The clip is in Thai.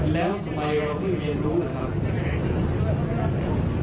แล้วทำไมเราเพิ่งเรียนรู้กันครับ